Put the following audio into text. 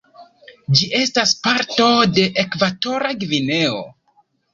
Ĝi estas parto de Ekvatora Gvineo.